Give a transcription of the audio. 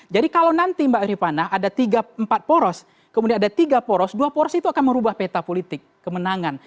jadi kalau nanti mbak irifana ada empat poros kemudian ada tiga poros dua poros itu akan merubah peta politik kemenangan